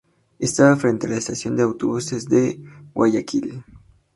Estaba enfrente de la estación de autobuses de Guayaquil.